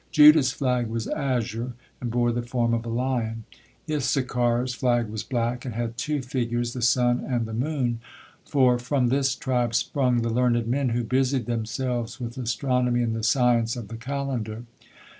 Judah's flag was azure, and bore the form of a lion. Issachar's flag was black, and had two figures, the sun and the moon, for from this tribe sprung the learned men who busied themselves with astronomy and the science of the calendar.